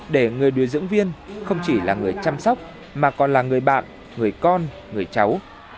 để người điều dưỡng viên không chỉ là người chăm sóc mà còn là người bạn người con người cháu